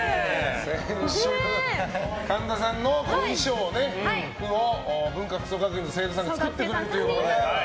先週、神田さんの衣装を文化服装学院の生徒さんが作ってくれたということで。